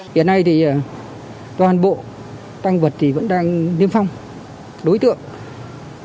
hiện nay thì toàn bộ tăng vật thì vẫn đang niêm phong đối tượng